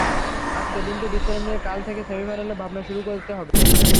আজকের দিনটি বিশ্রাম নিয়ে কাল থেকে সেমিফাইনালের ভাবনা শুরু করতে হবে।